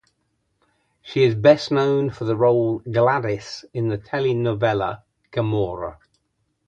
She is best known for the role "Gladys" in the telenovela "Gamora".